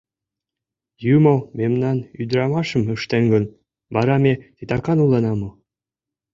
Юмо мемнам ӱдырамашым ыштен гын, вара ме титакан улына мо?